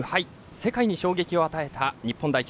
世界に衝撃を与えた日本代表